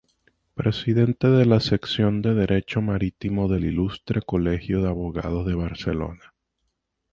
Presidente de la Sección de Derecho Marítimo del Ilustre Colegio de Abogados de Barcelona.